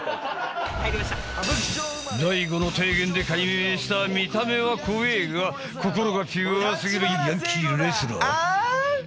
大悟の提言で改名した見た目は怖えが心が気弱すぎるヤンキーレスラー。